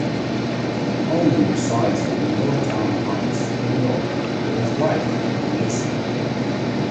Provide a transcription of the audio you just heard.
Olney resides in Yorktown Heights, New York, with his wife, Lisa.